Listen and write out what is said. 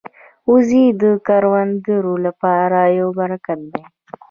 وزې د کروندګرو لپاره یو برکت دي